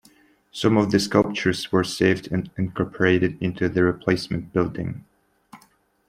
Some of the sculptures were saved and incorporated into the replacement building.